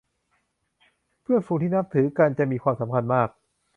เพื่อนฝูงที่นับถือกันจะมีความสำคัญมาก